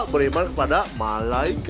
beriman kepada malaikat